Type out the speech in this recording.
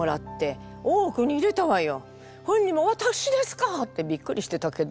本人も「わたくしですか！？」ってびっくりしてたけど。